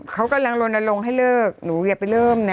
เขากำลังลนลงให้เลิกหนูอย่าไปเริ่มนะ